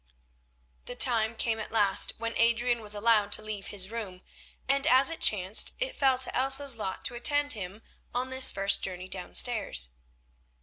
The time came at last when Adrian was allowed to leave his room, and as it chanced it fell to Elsa's lot to attend him on this first journey downstairs.